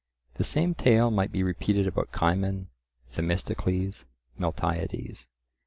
The same tale might be repeated about Cimon, Themistocles, Miltiades.